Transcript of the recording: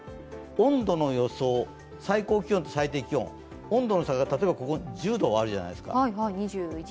温度の予想、最高気温と最低気温、温度の差が例えばここ１０度あるじゃないですか。